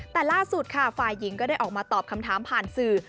แต่ล่าสุดค่ะฝ่ายหญิงก็ได้ออกมาตอบคำถามผ่านสื่อ